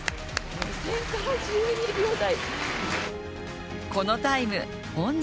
予選から１２秒台。